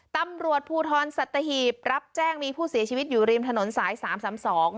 ตำรวจภูทรสัตหีบรับแจ้งมีผู้เสียชีวิตอยู่ริมถนนสายสามสามสอง